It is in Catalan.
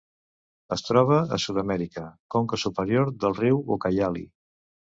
Es troba a Sud-amèrica: conca superior del riu Ucayali.